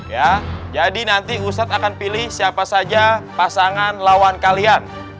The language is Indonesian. ya jadi nanti ustadz akan pilih siapa saja pasangan lawan kalian